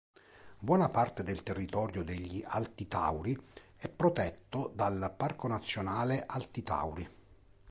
Buona parte del territorio degli "Alti Tauri" è protetto dal Parco nazionale Alti Tauri.